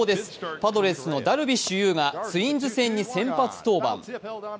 パドレスのダルビッシュ有がツインズ戦に先発登板。